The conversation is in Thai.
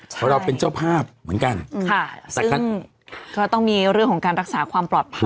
เพราะเราเป็นเจ้าภาพเหมือนกันค่ะแต่ก็ต้องมีเรื่องของการรักษาความปลอดภัย